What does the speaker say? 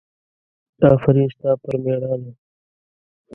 افرین ستا پر مېړانه!